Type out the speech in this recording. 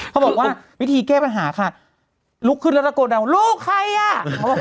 เขาบอกว่าวิธีแก้ปัญหาค่ะลุกขึ้นแล้วตะโกนเดาลูกใครอ่ะ